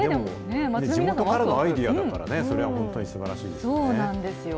地元からのアイデアだからね、それは本当にすばらしいですね。